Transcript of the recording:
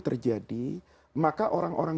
terjadi maka orang orang